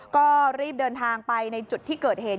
ก็รีบเดินทางไปในจุดที่เกิดเหตุ